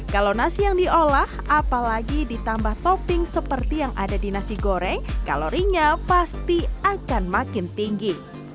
kalau nasi yang diolah apalagi ditambah topping seperti yang ada di nasi goreng kalorinya pasti akan makin tinggi